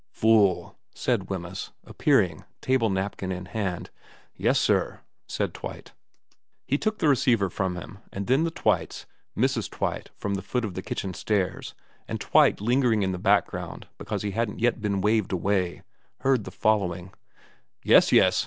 * Fool,' said Wemyss, appearing, table napkin in hand. * Yes sir,' said Twite. He took the receiver from him, and then the Twites Mrs. Twite from the foot of the kitchen stairs and Twite lingering in the background because he hadn't yet been waved away heard the following :' Yes yes.